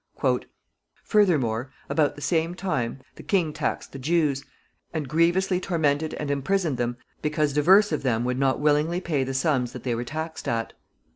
=Furthermore, about the same time, the King taxed the Jewes, and greeuouslie tormented and emprisoned them bicause divers of them would not willinglie pay the summes that they were taxed at.